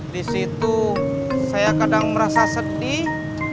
disitu saya kadang merasa sedih